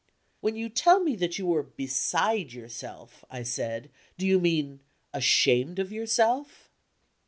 "When you tell me you were beside yourself," I said, "do you mean, ashamed of yourself?"